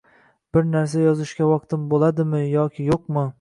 Biror narsa yozishga vaqtim bo'ladimi yoki yo'qmi.